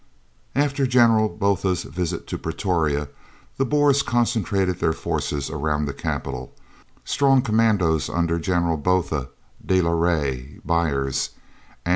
After General Botha's visit to Pretoria the Boers concentrated their forces around the capital, strong commandos under General Botha, de la Rey, Beyers, and Viljoen.